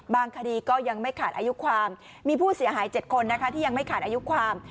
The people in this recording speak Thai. คดีก็ยังไม่ขาดอายุความมีผู้เสียหาย๗คนนะคะที่ยังไม่ขาดอายุความ